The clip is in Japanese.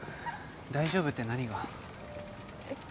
大丈夫って何が？